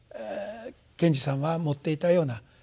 賢治さんは持っていたような。